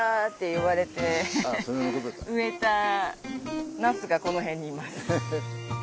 言われて植えたナスがこの辺にいます。